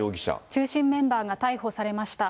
中心メンバーが逮捕されました。